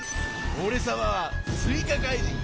おれさまはすいかかいじん